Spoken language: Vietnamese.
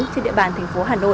trên địa bàn thành phố hà nội